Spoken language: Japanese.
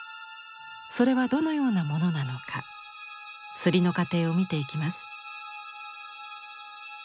それはどのようなものなのか摺りの過程を見ていきます。